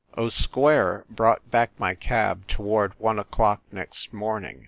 O Square brought back my cab toward one o clock next morning.